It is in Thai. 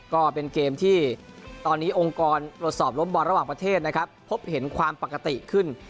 ก็เป็นเกมที่ตอนนี้องค์กรตรวจสอบล้มบอลระหว่างประเทศนะครับพบเห็นความปกติขึ้น